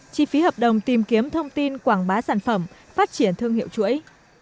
chi phí hợp đồng tìm kiếm thông tin quảng bá sản phẩm phát triển thương hiệu chuỗi